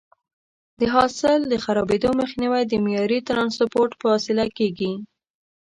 د حاصل د خرابېدو مخنیوی د معیاري ټرانسپورټ په وسیله کېږي.